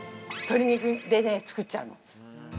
鶏肉でね、作っちゃうの。